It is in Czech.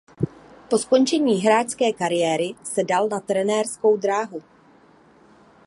Po skončení hráčské kariéry se dal na trenérskou dráhu.